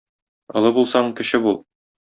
Олы булсаң, кече бул!